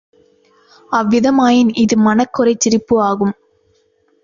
அவ்விதமாயின் இது மனக் குறைச் சிரிப்பு ஆகும்.